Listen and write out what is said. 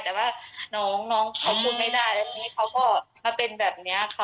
แต่ว่าน้องน้องขอบคุณไม่ได้ทีนี้เขาก็มาเป็นแบบนี้ค่ะ